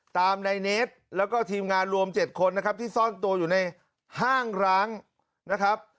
ตามในเนสแล้วก็ทีมงานรวม๗คนนะครับที่ซ่อนตัวอยู่ในห้างร้างนะครับ